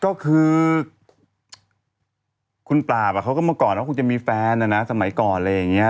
ก็คือคุณปราบเขาก็เมื่อก่อนเขาคงจะมีแฟนนะนะสมัยก่อนอะไรอย่างนี้